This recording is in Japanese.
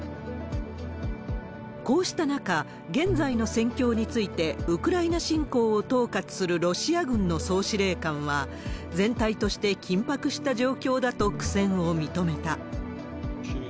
こうした中、現在の戦況について、ウクライナ侵攻を統括するロシア軍の総司令官は、全体として緊迫した状況だと苦戦を認めた。